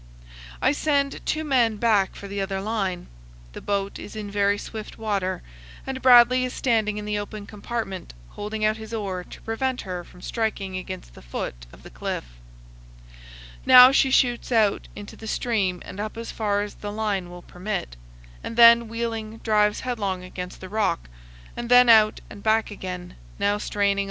I send two men back for the other line. The boat is in very swift water, and Bradley is standing in the open compartment, holding out his oar to prevent her from striking against the foot of the cliff. Now she shoots out into the stream and up as far as the line will permit, and then, wheeling, drives headlong against the rock, and then out and back again, now straining TO THE FOOT OF THE GRAND CANYON.